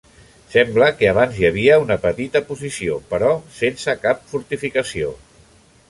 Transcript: Sembla que abans hi havia una petita posició però sense cap fortificació.